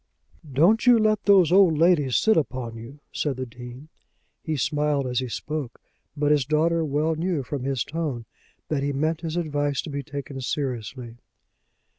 "Don't you let those old ladies sit upon you," said the Dean. He smiled as he spoke, but his daughter well knew, from his tone, that he meant his advice to be taken seriously.